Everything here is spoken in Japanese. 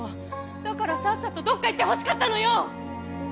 だからさっさとどっか行ってほしかったのよ！